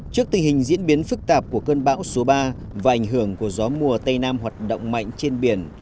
trước tình hình diễn biến phức tạp của cơn bão số ba và ảnh hưởng của gió mùa tây nam hoạt động mạnh trên biển